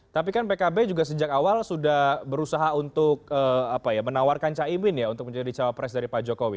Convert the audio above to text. tapi kan pkb juga sejak awal sudah berusaha untuk menawarkan caimin ya untuk menjadi cawapres dari pak jokowi